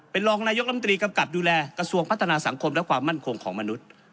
เป็นรองนายกรรมตรีกำกับดูแลกระทรวงพัฒนาสังคมและความมั่นคงของมนุษย์